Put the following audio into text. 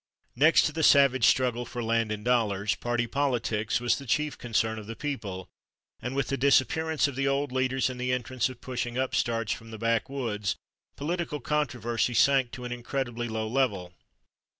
Next to the savage struggle for land and dollars, party politics was the chief concern of the people, and with the disappearance of the old leaders and the entrance of pushing upstarts from the backwoods, political controversy sank to an incredibly low level.